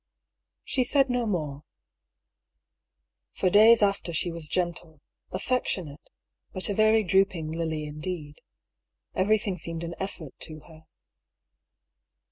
She said no more. For days after she was gentle, affectionate, but a very drooping lily indeed. Every thing seemed an effort to her.